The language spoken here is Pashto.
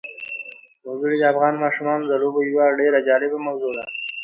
وګړي د افغان ماشومانو د لوبو یوه ډېره جالبه موضوع ده.